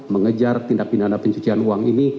mengejar tindak pidana pencucian uang ini